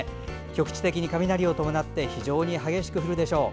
局地的に雷を伴って非常に激しく降るでしょう。